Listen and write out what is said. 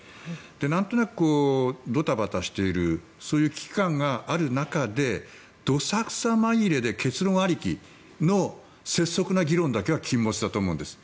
なんとなくドタバタしているそういう危機感がある中でどさくさ紛れで結論ありきの拙速な議論だけは禁物だと思うんです。